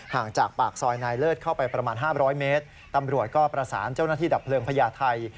ห่างจากปากซอยนายเลิศเข้าไปประมาณ๕๐๐เมตรตำรวจก็ประสานเจ้าหน้าที่ดับเพลิงพญาไทย